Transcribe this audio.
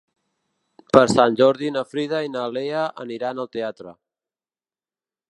Per Sant Jordi na Frida i na Lea aniran al teatre.